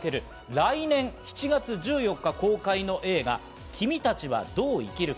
来年７月１４日公開の映画『君たちはどう生きるか』。